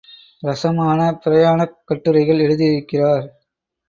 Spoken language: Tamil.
ரஸமான பிரயாணக் கட்டுரைகள் எழுதியிருக்கிறார்.